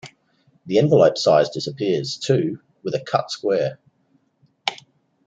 The envelope size disappears, too, with a cut square.